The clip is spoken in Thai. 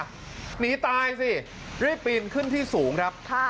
หนีตายสิรีบปีนขึ้นที่สูงครับ